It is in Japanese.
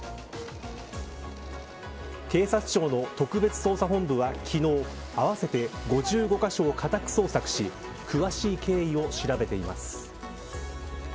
警察庁の特別捜査本部は昨日合わせて５５カ所を家宅捜索し詳しい経緯を調べています。